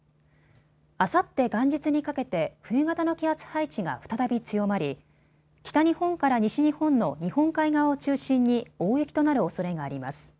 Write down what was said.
あさって元日にかけて冬型の気圧配置が再び強まり北日本から西日本の日本海側を中心に大雪となるおそれがあります。